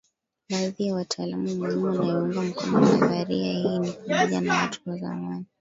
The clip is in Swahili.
Baadhi ya wataalamu muhimu wanaoiunga mkono nadharia hii ni pamoja na watu wa zamani